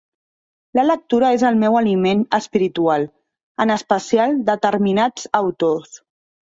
La lectura és el meu aliment espiritual, en especial, determinats autors.